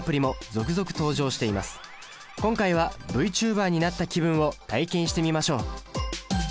今回はＶチューバーになった気分を体験してみましょう。